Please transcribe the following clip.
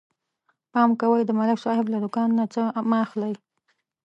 پام کوئ د ملک صاحب له دوکان نه څه مه اخلئ